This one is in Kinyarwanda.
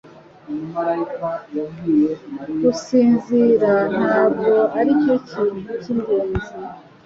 gusinzira ntabwo aricyo kintu cyingenzi.”